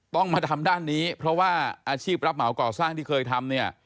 ต้องมาทำด้านนี้เพราะว่าอาชีพรับเหมาก่อสร้างที่เคยทำเนี่ย